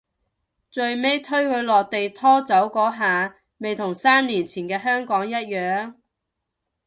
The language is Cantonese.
最尾推佢落地拖走嗰下咪同三年前嘅香港一樣